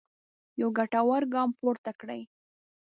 یو ګټور ګام پورته کړی.